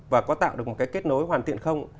và có tạo được một cái kết nối hoàn thiện không